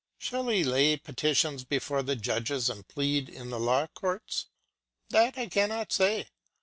Shall he lay petitions before the judges and plead in the law courts? That I cannot say.